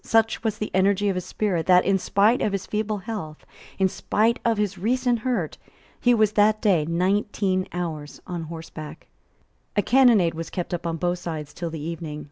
Such was the energy of his spirit that, in spite of his feeble health, in spite of his recent hurt, he was that day nineteen hours on horseback, A cannonade was kept up on both sides till the evening.